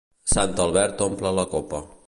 Sant Albert omple la copa.